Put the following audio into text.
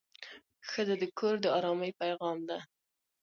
ښځه د کور د ارامۍ پېغام ده.